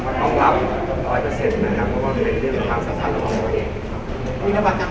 ก็แน่นอนครับมันเป็นพาวะจำยอง